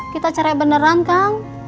kita cerai beneran kang